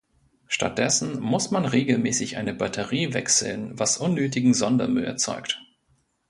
Stattdessen muss man regelmäßig eine Batterie wechseln, was unnötigen Sondermüll erzeugt.